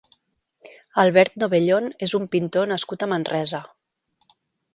Albert Novellón és un pintor nascut a Manresa.